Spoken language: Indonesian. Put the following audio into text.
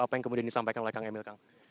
apa yang kemudian disampaikan oleh kang emil kang